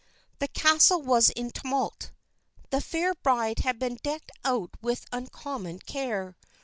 The castle was in a tumult. The fair bride had been decked out with uncommon care.